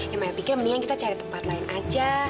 ya maya pikir mendingan kita cari tempat lain aja